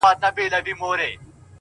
ماته خو اوس هم گران دى اوس يې هم يادوم،